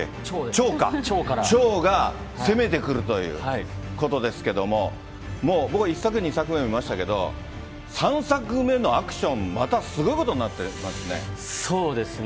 趙か、趙が攻めてくるということですけれども、もう僕は１作、２作目も見ましたけど、３作目のアクション、またすごいことになってますそうですね。